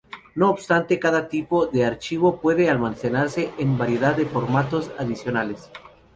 No obstante, cada tipo de archivo puede almacenarse en una variedad de formatos adicionales.